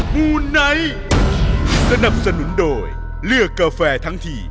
มูไนท์สนับสนุนโดยเลือกกาแฟทั้งที